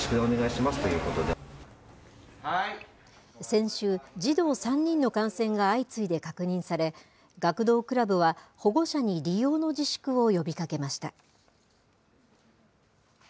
先週、児童３人の感染が相次いで確認され、学童クラブは、保護者に利用の自粛を呼びかけました。